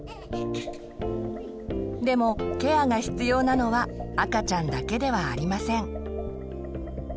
でもケアが必要なのは赤ちゃんだけではありません。